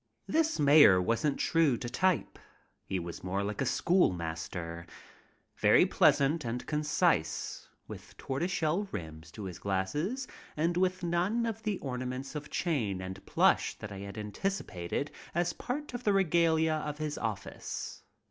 This mayor wasn't true to type. He was more like a schoolmaster. Very pleasant and concise, with tortoise shell rims to his glasses and with none of the ornaments of chain and plush that I had anticipated as part of the regalia of his office.